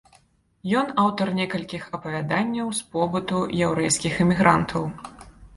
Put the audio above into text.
Ён аўтар некалькіх апавяданняў з побыту яўрэйскіх эмігрантаў.